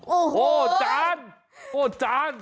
โอ้โหจานโอ้จาน